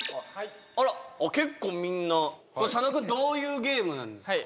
あらっあっ結構みんな佐野君どういうゲームなんですか？